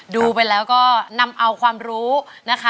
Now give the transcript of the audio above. ดูไปแล้วก็นำเอาความรู้นะคะ